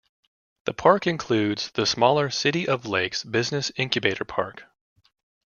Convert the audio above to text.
The park includes the smaller City of Lakes business incubator park.